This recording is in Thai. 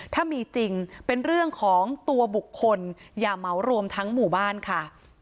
ถ้ามีจริงเป็นเรื่องของตัวบุคคลอย่าเหมารวมทั้งหมู่บ้านค่ะ